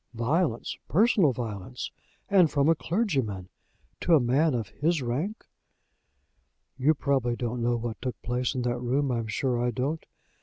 Violence! personal violence! And from a clergyman, to a man of his rank!" "You probably don't know what took place in that room. I'm sure I don't.